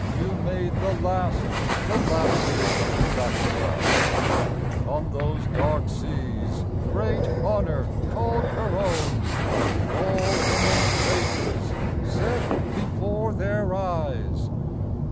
You made the last, the lasting sacrifice ! On those dark seas great Honor called her own, All women's faces set before their eyes!